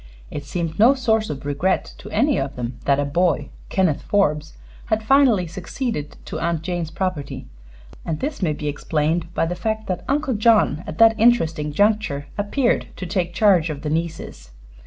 It seemed no source of regret to any of them that a boy, Kenneth Forbes, had finally succeeded to Aunt Jane's property, and this may be explained by the fact that Uncle John had at that interesting juncture appeared to take charge of the nieces.